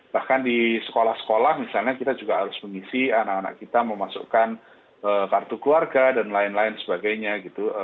bahkan di sekolah sekolah misalnya kita juga harus mengisi anak anak kita memasukkan kartu keluarga dan lain lain sebagainya gitu